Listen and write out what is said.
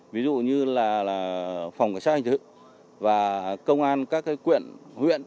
ví dụ như là phòng cảnh sát hành thức và công an các quyện huyện